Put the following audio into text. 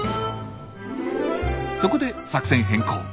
そこで作戦変更。